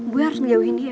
gue harus ngejauhin dia